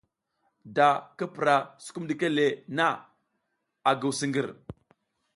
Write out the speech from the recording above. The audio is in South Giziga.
Da ki pura sukum ɗike le na, a nguw siƞgir.